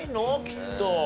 きっと。